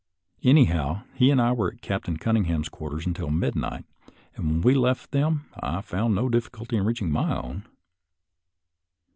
Anyhow, he and I were at Captain Cun ningham's quarters until midnight, and when we left them I found no difficulty in reaching my own.